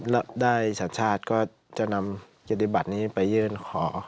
แล้วได้สัญชาติก็จะนำเกียรติบัตินี้ไปยื่นขอ